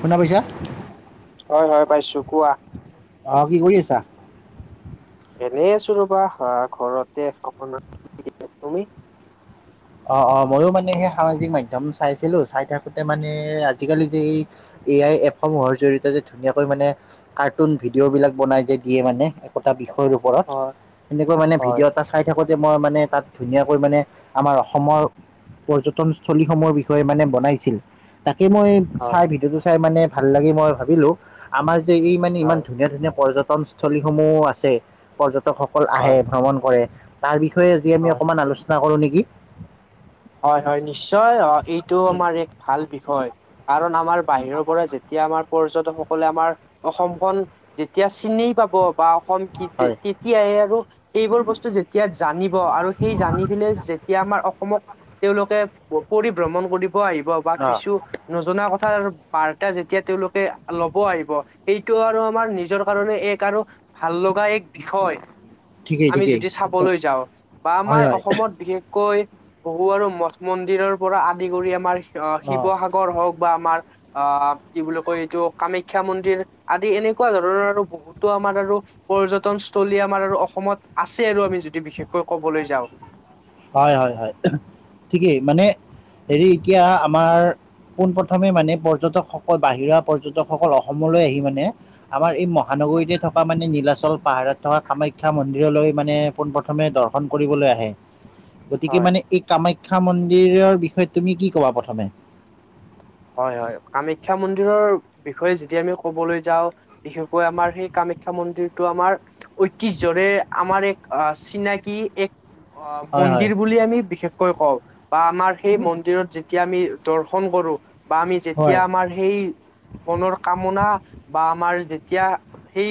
শুনা পাইছা? অ' মই পাইছো, কোৱা? অঁ, কি কৰি আছা? এনেই আছো ৰ'বা ঘৰতে অকনমান। অঁ, অঁ মইও মানে সেই সামাজিক মাধ্যম চাই আছিলো। চাই থাকোতে মানে আজিকালি যে এ আই এপসমূহৰ জৰিয়তে যে ধুনীয়াকৈ মানে কাৰ্টুন ভিডিঅ' বিলাক বনাই যে দিয়ে মানে, একোটা বিষয় ওপ ওপৰত, হয় এনেকুৱা মানে হয় ভিডিঅ' এটা চাই থাকোতে, মই মানে তাত ধুনীয়াকৈ মানে আমাৰ অসম অসমৰ পৰ্যটনস্থলীসমূহৰ বিষয়ে মানে বনাইছিল। তাকে মই হয় চাই ভিডিঅটো চাই মানে ভাল লাগি। মই ভাবিলো আমাৰ যে এই মানে ইমান হয় ধুনীয়া, ধুনীয়া পৰ্যটন স্থলী সমূহ আছে, পৰ্যটকসকল আহে হয় ভ্ৰমণ কৰে। তাৰ বিষয়ে আজি আমি হয় অকণ আলোচনা কৰো নেকি? হয়, হয় নিশ্চয়। এইটোও আমাৰ এক ভাল বিষয়। কাৰণ আমাৰ বাহিৰৰ পৰা যেতিয়া আমাৰ পৰ্যটক সকলে আমাৰ অসমখন, যেতিয়া চিনি পাব বা অসম হয় তেতিয়াহে আৰু এইবোৰ বস্তু যে এতিয়া জানিব আৰু সেই জানি পেলে যেতিয়া আমাৰ অসমক তেওঁলোকে পৰিভ্ৰমণ কৰিব আহিব বা অ কিছু নজনা কথাৰ আৰু বাৰ্তা যেতিয়া তেওঁলোকে ল'ব আহিব। সেইটো আৰু আমাৰ নিজৰ কাৰণে এক আৰু ভাল লগা এক বিষয়। ঠিকেই আমি ঠিকেই যদি একদম চাবলৈ যাওঁ বা হয় আমাৰ হয় অসমত বিশেষ কৈ, বহু আৰু মঠ মন্দিৰৰ পৰা আদি কৰি আমাৰ আহ, অ শিৱসাগৰ হওঁক বা আমাৰ আহ কি বুলি কয়? এইটো কামাখ্যা মন্দিৰ আদি এনেকুৱা ধৰণৰ আৰু বহুতো আমাৰ আৰু পৰ্যটনস্থলী আমাৰ আৰু অসমত আছে আৰু আমি যদি বিশেষকৈ কবলৈ যাওঁ। হয়, হয়, হয়, ঠিকেই মানে হেৰি এতিয়া আমাৰ পোন প্ৰথমে মানে পৰ্যটকসকল, বাহিৰা পৰ্যটকসকল অসমলৈ আহি মানে আমাৰ এই মহানগৰীতে থকা মানে, নীলাচল পাহাৰত থকা কামাখ্যা মন্দিৰলৈ মানে পোনপ্ৰথমে দৰ্শন কৰিবলৈ আহে। গতিকে হয় মানে এই কামাখ্যা মন্দিৰৰ বিষয়ে, তুমি কি কবা প্ৰথমে? হয়, হয়। কামাখ্যা মন্দিৰৰ বিষয়ে যেতিয়া আমি কবলৈ যাওঁ। বিশেষকৈ আমাৰ সেই কামাখ্যা মন্দিৰটো আমাৰ ঐতিহ্যৰে আমাৰ এক আহ, চিনাকি এক অ, হয় হয় মন্দিৰ বুলি আমি বিশেষকৈ কওঁ। বা আমাৰ সেই মন্দিৰত যেতিয়া আমি দৰ্শন কৰো বা আমি যেতিয়া হয় আমাৰ সেই মনৰ কামনা বা আমাৰ যেতিয়া সেই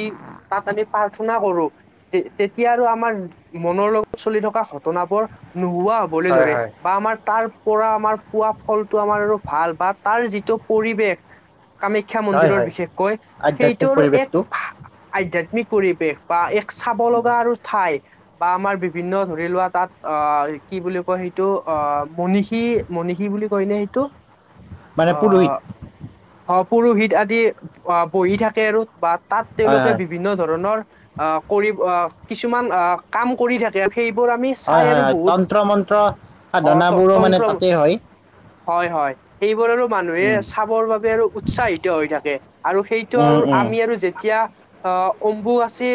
তাত আমি প্ৰাৰ্থনা কৰো তে, তেতিয়া আৰু আমাৰ মনৰ লগত চলি থকা ঘটনাবোৰ নোহোৱা হ' লে, হয় ধৰে হয় বা আমাৰ তাৰ পৰা আমাৰ পোৱা ফলটো আমাৰ আৰু ভাল বা তাৰ যিটো পৰিৱেশ, আমি শিক্ষা হয় মন্দিৰৰ হয় বিশেষকৈ, সেইটো আধ্যাত্মিক আৰু এক পৰিৱেশটো আধ্যাত্মিক পৰিৱেশ বা এক চাব লগা আৰু ঠাই বা আমাৰ বিভিন্ন ধৰি লোৱা তাত অ, কি বুলি কয় সেই এইটো অ, মনিষী, মনিষী বুলি কয় নে, সেইটো? মানে পুৰোহিত। অ, পুৰোহিত আদি আহ, বহি থাকে আৰু বা তাত হয় তেওঁলোকে হয় বিভিন্ন ধৰণৰ অ, কৰিব অ, কিছুমান অ, কাম কৰি থাকে। সেইবোৰ আমি চাই হয়, হয়, আৰু হয়। বহুত তন্ত্ৰ, মন্ত্ৰ অ ত সাধনাবোৰো মানে তন্ত্ৰ তাতে হয়। হয়, হয়। সেইবোৰ আৰু মানুহে উম চাবৰ বাবে আৰু উৎসাহিত হৈ থাকে, আৰু সেইটো উম আৰু উম আমি আৰু যেতিয়া আহ, অম্বুবাচী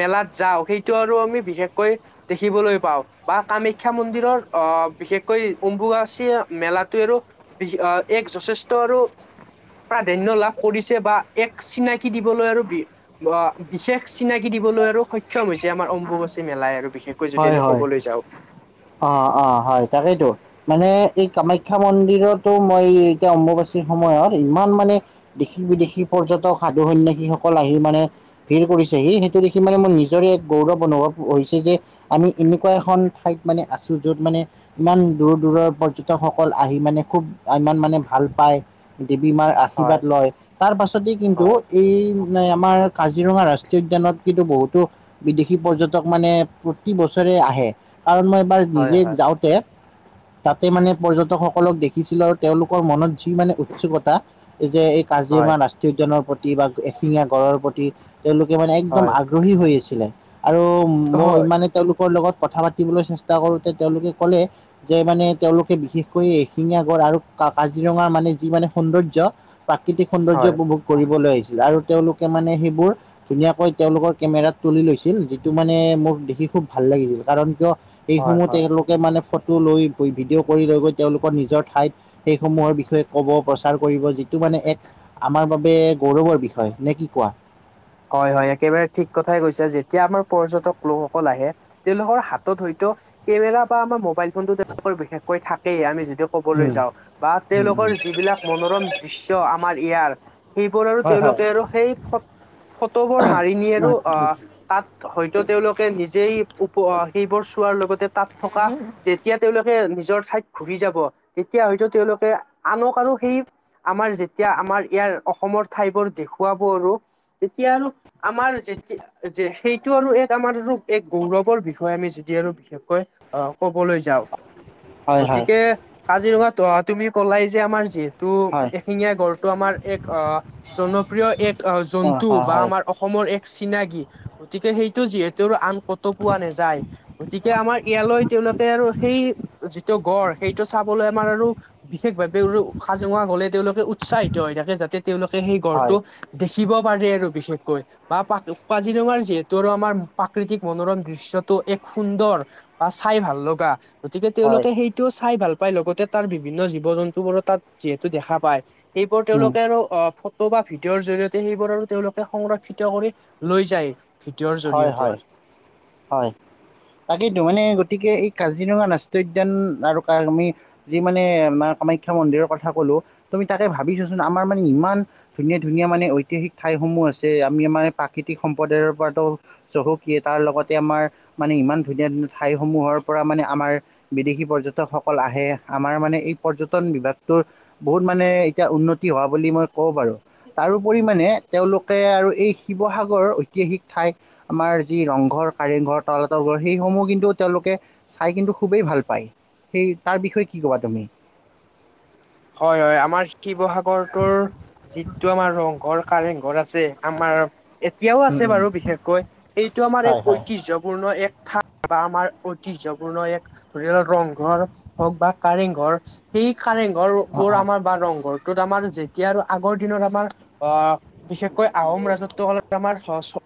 মেলাত যাওঁ। সেইটো আৰু আমি বিশেষকৈ দেখিবলৈ পাওঁ। বা কামাখ্যা মন্দিৰৰ অ, বিশেষকৈ অম্বুবাচী মেলাটোৱে আৰু বি- অ, এক যথেষ্ট আৰু প্ৰাধান্য লাভ কৰিছে বা এক চিনাকি দিবলৈ আৰু বি বা বিশেষ চিনাকি দিবলৈ আৰু সক্ষম হৈছে আমাৰ অম্বুবাচী মেলাই আৰু বিশেষ কৈ যদি হয় আমি হয় ক'বলৈ যাওঁ। অ', অ', হয়, তাকেইতো। মানে এই কামাখ্যা মন্দিৰতো মই এতিয়া অম্বুবাচীৰ সময়ত ইমান মানে দেশী-বিদেশী পৰ্যটক সাধু সন্যাসী সকল আহি মানে ভিৰ কৰিছে হি, সেইটো দেখি মানে মোৰ নিজৰে এক গৌৰৱ অনুভৱ হৈছে যে আমি এনেকুৱা এখন ঠাইত মানে আছো, য'ত মানে ইমান দূৰ দূৰৰ পৰ্যটকসকল আহি মানে খুব ইমান মানে ভাল পায়। দেৱী মাৰ হয় আশীৰ্বাদ লয়, তাৰ পাছতেই কিন্তু হয় এই আমাৰ কাজিৰঙা ৰাষ্ট্ৰীয় উদ্যানত কিন্তু বহুতো বিদেশী পৰ্যটক মানে প্ৰতি বছৰে আহে, কাৰণ মই এবাৰ হয় নিজে হয় যাওঁতে তাতে মানে পৰ্যটকসকলক দেখিছিলো আৰু তেওঁলোকৰ মনত সি মানে উৎসুকতা এই যে এই হয় কাজিৰঙা ৰাষ্ট্ৰীয় উদ্যানৰ প্ৰতি বা এশিঙীয়া গড়ৰ প্ৰতি। তেওঁলোকে মানে একদম হয় আগ্ৰহী হৈ আছিলে আৰু মই হয় মানে তেওঁলোকৰ লগত কথা পাতিবলৈ চেষ্টা কৰোতে তেওঁলোকে ক'লে। যে মানে তেওঁলোকে বিশেষকৈ এশিঙীয়াাগড় আৰু কাজিৰঙা মানে যি মানে সৌন্দৰ্য। প্ৰাকৃতিক সৌন্দৰ্য হয় উপভোগ কৰিবলৈ আহিছিল আৰু তেওঁলোকে মানে সেইবোৰ ধুনীয়াকৈ তেওঁলোকৰ কেমেৰাত তুলি লৈছিল যিটো মানে মোক দেখি খুব ভাল লাগিল, কাৰণ কিয় হয় এইসমূহ হয় তেওঁলোক কে মানে ফটো লৈ ভিডিঅ' কৰি লৈ গৈ তেওঁলোকৰ নিজৰ ঠাইত সেই সমূহৰ বিষয়ে ক'ব প্ৰচাৰ কৰিব। যিটো মানে এক আমাৰ বাবে গৌৰৱৰ বিষয় নে কি কোৱা? হয়, হয়, একেবাৰে ঠিক কথাই কৈছা যেতিয়া আমাৰ পৰ্যটক লোকসকল আহে। তেওঁলোকৰ হাতত হয়তো কেমেৰা বা আমাৰ মোবাইল ফোনতটো তেওঁলোকৰ বিশেষকৈ থাকেই, আমি যদিও ক'বলৈ উম, যাও বা উম, উম, তেওঁলোকৰ যিবিলাক মনোৰম দৃশ্য আমাৰ ইয়াৰ। সেইবোৰ আৰু হয়, হয়, তেওঁলোকে আৰু সেই ফ ফটোবোৰ মাৰি নি আৰু অ' তাত হয়তো তেওঁলোকে নিজেই উপ সেইবোৰ চোৱাৰ লগতে তাত থকা যেতিয়া তেওঁলোকে নিজৰ ঠাইত ঘূৰি যাব, তেতিয়া হয়তো তেওঁলোকে আনক আৰু সেই আমাৰ যেতিয়া আমাৰ ইয়াৰ অসমৰ ঠাই বোৰ দেখুৱাব আৰু। তেতিয়া আৰু আমাৰ যেতিয়া যে সেইটো আৰু এক আমাৰ আৰু এক গৌৰৱৰ বিষয়, আমি যদি আৰু বিশেষকৈ অ', ক'বলৈ যাওঁ, হয়, হয়, গতিকে কাজিৰঙাত অ', তুমি কলাই যে আমাৰ যি ত' হয়, এশিঙীয়া গড়টো আমাৰ এক অ', জনপ্ৰিয় এক অ', জন্তু হয়, বা হয়, আমাৰ অসমৰ এক চিনাকি, গতিকে সেইটো যিহেতু আন ক'তো পোৱা নাযায়। গতিকে আমাৰ ইয়ালৈ তেওঁলোকে আৰু সেই যিটো গড়, সেইটো চাবলৈ আমাৰ আৰু বিশেষভাৱে উখাজঙা হ'লে তেওঁলোকে উৎসাহিত হৈ থাকে যাতে তেওঁলোকে সেই গড়টো হয়, দেখিব পাৰে আৰু বিশেষকৈ বা কাজিৰঙাৰ যিহেতু আৰু আমাৰ প্ৰাকৃতিক মনোৰম দৃশ্যত টো এক সুন্দৰ বা চাই ভাল লগা, গতিকে হয়, তেওঁলোকে সেই টো চাই ভাল পায়, লগতে তাৰ বিভিন্ন জীৱ-জন্তু বোৰো তাত যিহেতু দেখা পায়। সেইবোৰ উম, তেওঁলোকে আৰু অ', ফটো বা ভিডিঅ'ৰ জৰিয়তে সেই বোৰ আৰু তেওঁলোকে সংৰক্ষিত কৰি লৈ যায়। ভিডিঅ'ৰ হয়, জৰিয়তে হয়, হয়। তাকেইটো মানে গতিকে এই কাজিৰঙা ৰাষ্ট্ৰীয় উদ্যান আৰু কাক আমি যি মানে আমাৰ কামাখ্যা মন্দিৰৰ কথা ক'লোঁ, তুমি তাকে ভাবিছোৱাচোন আমাৰ মানে ইমান ধুনীয়া ধুনীয়া মানে ঐতিহাসিক ঠাইসমূহ আছে। আমি আমাৰ প্ৰাকৃতিক সম্প্ৰদায়ৰ পৰা চহকীয়ে, তাৰ লগতে আমাৰ মানে ইমান ধুনীয়া ধুনীয়া ঠাইসমূহৰ পৰা মানে আমাৰ বিদেশী পৰ্যটকসকল আহে। আমাৰ মানে এই পৰ্যটন বিভাগটোৰ বহুত মানে এতিয়া উন্নতি হোৱা বুলি মই ক'ব বাৰু। তাৰোপৰি মানে তেওঁলোকে আৰু এই শিৱসাগৰৰ ঐতিহাসিক ঠাই, আমাৰ যি ৰংঘৰ, কাৰেংঘৰ তলাতল ঘৰ সেইসমূহ কিন্তু তেওঁলোকে চাই কিন্তু খুবেই ভাল পায় সেই তাৰ বিষয়ে কি ক'বা তুমি? হয় হয়। আমাৰ শিৱসাগৰটোৰ যিটো আমাৰ ৰংঘৰ কাৰেং ঘৰ আছে আমাৰ এতিয়াও উম আছে উম বাৰু বিশেষকৈ সেইটো আমাৰ হয় এক হয় ঐতিহ্যপূৰ্ণ এক ঠা বা আমাৰ ঐতিহ্যপূৰ্ণ এক ধৰি লওঁক ৰংঘৰ হওঁক বা কাৰেংঘৰ সেই কাৰেংঘৰ অ [unintelligible] অ আমাৰ বা ৰংঘৰটোত আমাৰ যেতিয়া আৰু আগৰ দিনৰ আমাৰ আ বিশেষকৈ আহোম ৰাজত্ব কালত আমাৰ [unintelligible]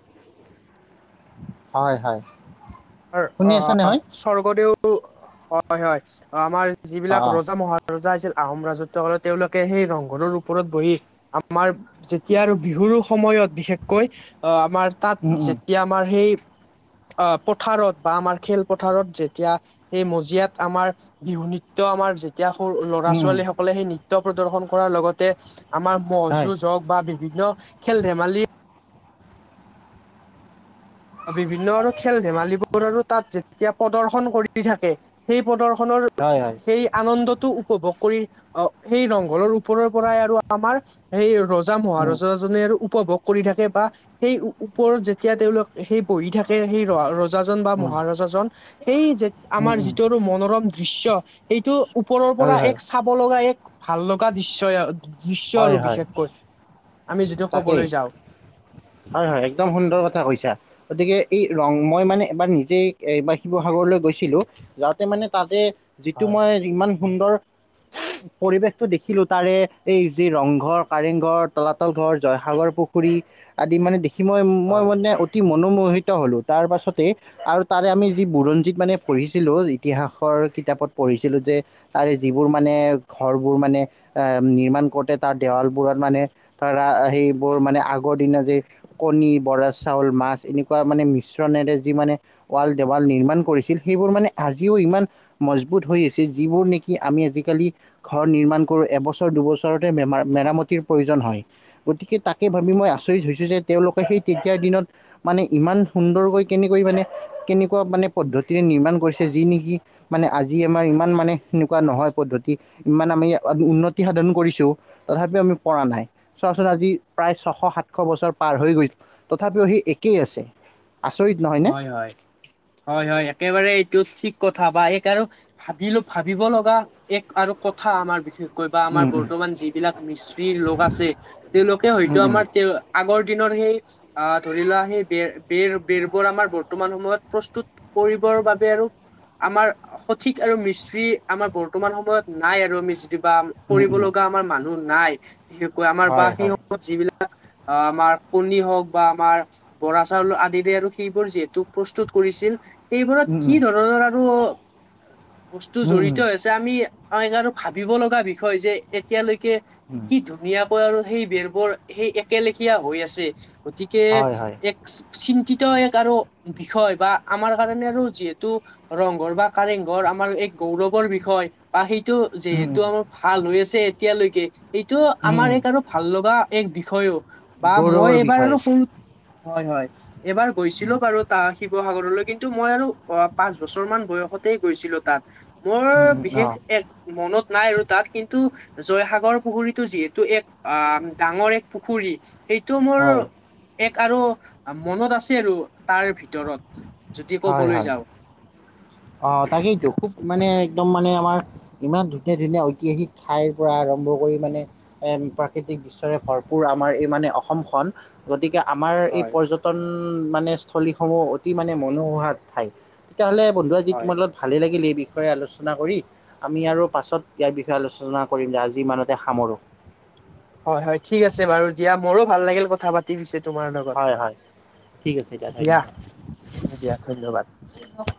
হয় হয়। শুনি আছা অ' নহয় স্বৰ্গদেউ হয় হয়। আমাৰ অ যিবিলাক অ ৰজা, মহা ৰজা আছিল আহোম ৰাজত্ব কালত তেওঁলোকে সেই ৰংঘৰৰ ওপৰত বহি আমাৰ যেতিয়া আৰু বিহুৰো সময়ত বিশেষকৈ অ' আমাৰ তাত উম উম যেতিয়া আমাৰ সেই আ পথাৰত বা আমাৰ খেলপথাৰত যেতিয়া সেই মজিয়াত আমাৰ বিহু নৃত্য আমাৰ এতিয়া সৰু উম উম ল'ৰা-ছোৱালীসকলে সেই নৃত্য প্ৰদৰ্শন কৰাৰ লগতে আমাৰ ম'হ হয় যুঁজ হওঁক বা বিভিন্ন বিভিন্ন খেল-ধেমালি বিভিন্ন আৰু খেল-ধেমালিবোৰৰো তাত যেতিয়া প্ৰদৰ্শন কৰি থাকে সেই প্ৰদৰ্শনৰ হয় হয়। সেই আনন্দটো উপভোগ কৰি আ সেই ৰংঘৰৰ ওপৰৰ পৰাই আৰু আমাৰ সেই ৰজা, উম মহাৰজাজনে আৰু উপভোগ কৰি থাকে বা সেই ওপৰত যেতিয়া তেওঁলোক সেই বহি থাকে সেই ৰ ৰজাজন বা উম মহাৰজাজন সেই যে উম আমাৰ উম যিটো আৰু মনোৰম দৃশ্য সেইটো ওপৰৰ হয় পৰা হয় এক চাব লগা এক ভাল লগা দিশ্যই দৃশ্য আৰু হয় হয় বিশেষকৈ। আমি যিটো তাকেই ক'বলৈ যাওঁ। হয় হয়, একদম সুন্দৰ কথা কৈছা গতিকে এই ৰং মই মানে এবাৰ নিজেই এবাৰ শিৱসাগৰলৈ গৈছিলোঁ। যাওঁতে মানে তাতে যিটো হয় মই ইমান সুন্দৰ পৰিৱেশটো দেখিলো তাৰে এই যি ৰংঘৰ, কাৰেংঘৰ। তলাতল ঘৰ, জয়সাগৰ পুখুৰী আদি মানে দেখি মই হয় মই মানে অত কি মনোমোহিত হ'লো তাৰ পাছতে আৰু তাৰে আমি যি বুৰঞ্জীত মানে পঢ়িছিলো, ইতিহাসৰ কিতাপত পঢ়িছিলো যে তাৰে যিবোৰ মানে ঘৰবোৰ মানে নিৰ্মাণ কৰোঁতে তাৰ দেৱালবোৰত মানে ধৰা সেইবোৰ মানে আগৰ দিন যে কণী, বৰা চাউল, মাছ এনেকুৱা মানে মিশ্ৰণেৰে যি মানে ৱাল, দেৱাল নিৰ্মাণ কৰিছিল সেইবোৰ মানে আজিও ইমান মজবুত হৈ আছে, যিবোৰ নেকি আমি আজিকালি ঘৰ নিৰ্মাণ কৰো এবছৰ দুবছৰতে মেৰ মেৰামতিৰ প্ৰয়োজন হয়, গতিকে তাকে ভাবি মই হয় আচৰিত হৈছো যে তেওঁলোকে সেই তেতিয়াৰ দিনত মানে ইমান সুন্দৰকৈ কেনেকৈ মানে কেনেকুৱা মানে পদ্ধতিৰে নিৰ্মাণ কৰিছে যি নিকি মানে আজি আমাৰ ইমান মানে এনেকুৱা নহয় পদ্ধতি ইমান আমি উন্নতি সাধন কৰিছো তথাপিও আমি পৰা নাই চোৱাচোন আজি প্ৰায় ছশ সাতশ বছৰ পাৰ হৈ গৈ তথাপিও হেই একেই আছে আচৰিত নহয় হয় হয় হয় হয় একেবাৰে এইটো ঠিক কথা বা এক আৰু ভাবিলো ভাবিব লগা এক আৰু কথা আমাৰ বিষেশ ক বা আমাৰ উম বৰ্তমান যিবিলাক মিস্ত্ৰী লোক আছে তেওঁলোকে উম হয়তো উম আমাৰ তেওঁ আগৰ দিনৰ সেই আ ধৰি লোৱা সেই বেৰ বেৰ বেৰ যিবোৰ আমাৰ বৰ্তমান সময়ত প্ৰস্তুত কৰিবৰ বাবে আৰু আমাৰ সঠিক আৰু মিস্ত্ৰী আমাৰ বৰ্তমান সময়ত নাই আৰু মিস্ত্ৰী বা উম উম কৰিব উম লগা আমাৰ মানুহ নাই বিশেষকৈ আমাৰ বা হয় হয় সিহঁত যিবিলাক অ আমাৰ কণী হওক বা আমাৰ বৰা চাউল আদিৰে আৰু সেইবোৰ যিহেতু প্ৰস্তুত কৰিছিল সেইবোৰত উম উম কি ধৰণৰ আৰু বস্তু উম জড়িত উম হৈ আছে আমি আৰু ভাবিব লগা বিষয় যে এতিয়ালৈকে উম কি ধুনীয়াকৈ আৰু সেই বেৰবোৰ সেই একলেখীয়া হৈ আছে গতিকে হয় হয় এক চিন্তিত এক আৰু বিষয় বা আমাৰ কাৰণে আৰু যিহেতু ৰংঘৰ বা কাৰেংঘৰ আমাৰ এক গৌৰৱৰ বিষয় বা সেইটো যে উম উম এইটো আমাৰ ভাল হৈ আছে এতিয়ালৈকে সেইটো উম আমাৰ উম এক আৰু ভাল লগা এক বিষয়ও বা গৌৰৱৰ মই এইবাৰ বিষয় আৰু শু হয় হয় এইবাৰ উম গৈছিলো বাৰু শিৱসাগৰলৈ কিন্তু মই আৰু আৰু পাঁচ বছৰমান বয়সতেই গৈছিলো তাত মোৰ উম উম অ বিশেষ এক মনত নাই আৰু তাত কিন্তু জয়সাগৰ পুখুৰীটো যিহেতু এক অ ডাঙৰ এক পুখুৰী সেইটো মোৰ হয় এক আৰু মনত আছে আৰু তাৰ ভিতৰত ভিতৰত যদি হয় ক'বলৈ হয় যাওঁ অ তাকেইতো খুব মানে একদম মানে আমাৰ ইমান ধুনীয়া ধুনীয়া ঐতিহাসিক ঠাইৰ পৰা আৰম্ভ কৰি মানে এ প্ৰাকৃতিক দৃশ্যৰে ভৰপূৰ আমাৰ এই মানে অসমখন গতিকে আমাৰ এই হয়। পৰ্যটন বতন মানে স্থলীসমূহ অতি মানে মনোমোহা ঠাই তেতিয়াহ'লে বন্ধু আজি হয় তোমাৰ লগত ভালেই লাগিল এই বিষয়ে আলোচনা কৰি আমি আৰু পাছত ইয়াৰ বিষয়ে আলোচনা কৰিম দিয়া আজি ইমানতে সামৰোঁ। হয় হয় ঠিক আছে বাৰু দিয়া মোৰো ভাল লাগিল কথা পাতি কি হৈছে তোমাৰ হয় হয় ঠিক আছে লগত দিয়া ধন্যবাদ দিয়া ধন্যবাদ